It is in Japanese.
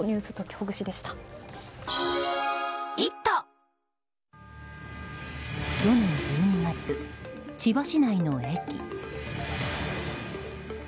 去年１２月、千葉市内の駅。